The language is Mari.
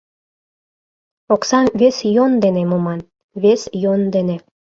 Оксам вес йӧн дене муман, вес йӧн дене...